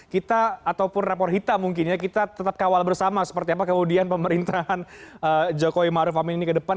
kita ataupun rapor hitam mungkin ya kita tetap kawal bersama seperti apa kemudian pemerintahan jokowi maruf amin ini ke depan